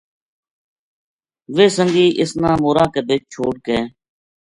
ویہ سنگی اس نا مورا کے بِچ چھوڈ کے